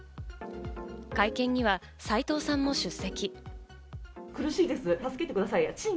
会見には斉藤さんも出席。